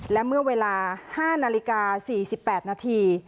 และเมื่อเวลา๕นาฬิกา๔๘นาที